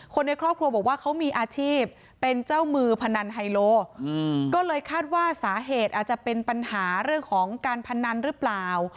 คนในครอบครัวบอกว่าเขามีอาชีพเป็นเจ้ามือพนันไฮโลก็เลยคาดว่าสาเหตุอาจจะเป็นปัญหาเรื่องของการพนันหรือเปล่า